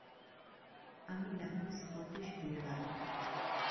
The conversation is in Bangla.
আমি লাকি স্কটিশ বিড়াল।